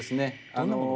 どんなもの？